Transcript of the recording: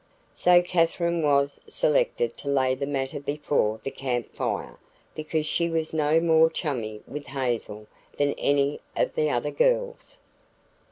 So Katherine was selected to lay the matter before the Camp Fire because she was no more chummy with Hazel than any of the other girls.